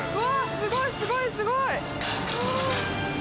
すごいすごいすごい！